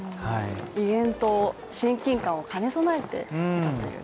威厳と親近感を兼ね備えていたという。